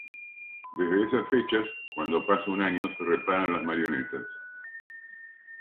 Desde esas fechas, cuando pasa un año, se reparan las marionetas.